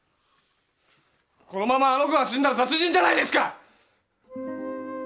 このままあの子が死んだら殺人じゃないですか